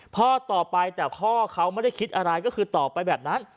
ต่อไปแต่พ่อเขาไม่ได้คิดอะไรก็คือตอบไปแบบนั้น